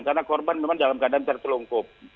karena korban memang dalam keadaan tertelungkup